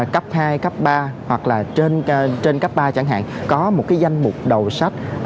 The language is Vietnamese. cấp hai cấp ba hoặc là trên cấp ba chẳng hạn có một cái danh mục đầu sách